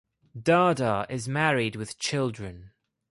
Dada is married with children.